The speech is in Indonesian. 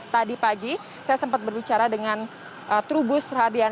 tadi pagi saya sempat berbicara dengan trubus radian